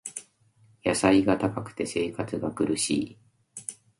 野菜が高くて生活が苦しい